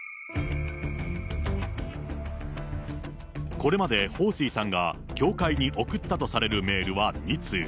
これまで彭帥さんが協会に送ったとされるメールは２通。